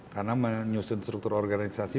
karena menyusun struktur organisasi